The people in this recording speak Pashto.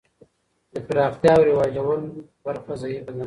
د پراختیا او رواجول برخه ضعیفه ده.